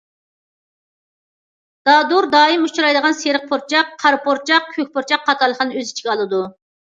دادۇر دائىم ئۇچرايدىغان سېرىق پۇرچاق، قارا پۇرچاق، كۆك پۇرچاق قاتارلىقلارنى ئۆز ئىچىگە ئالىدۇ.